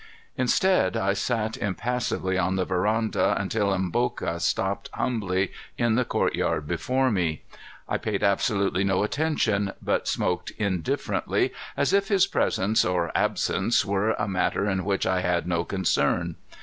Instead, I sat impassively on the veranda until Mboka stopped humbly in the courtyard before me. I paid absolutely no attention, but smoked indifferently as if his presence or absence were a matter in which I had no concern.